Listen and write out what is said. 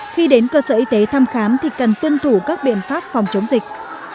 khi đến cơ sở y tế thăm khám thì cần tuân thủ các biện pháp phòng chống dịch